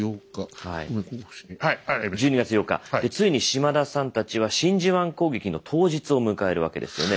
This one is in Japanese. ついに島田さんたちは真珠湾攻撃の当日を迎えるわけですよね。